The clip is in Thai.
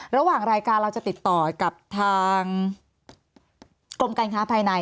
ระหว่างรายการเราจะติดต่อกับทางกรมการค้าภายใน